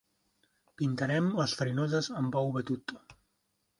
Pintarem les farinoses amb ou batut.